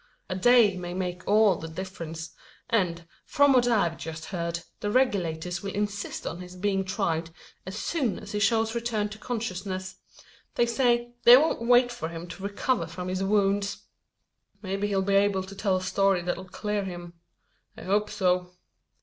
A day may make all the difference; and, from what I've just heard, the Regulators will insist on his being tried as soon as he shows a return to consciousness. They say, they won't wait for him to recover from his wounds!" "Maybe he'll be able to tell a story that'll clear him. I hope so."